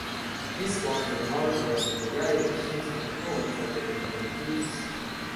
This was the Margaret Murray Washington Home for Delinquent Youths.